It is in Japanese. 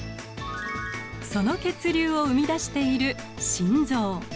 その血流を生み出している心臓。